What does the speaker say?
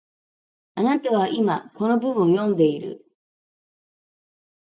あなたは今、この文を読んでいる